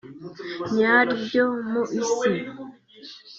nyaryo mu Isi